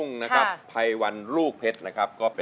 นักสู้ชีวิตแต่ละคนก็ฝ่าฟันและสู้กับเพลงนี้มากก็หลายรอบ